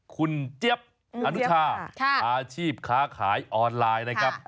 คุณเจ๊ี๊ยบอุฐชาอาชีพค้าขายออนไลน์